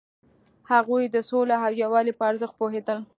هغوی د سولې او یووالي په ارزښت پوهیدل.